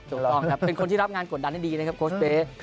ถูกต้องครับเป็นคนที่รับงานกดดันได้ดีนะครับโค้ชเบส